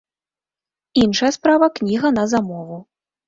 Іншая справа кніга на замову.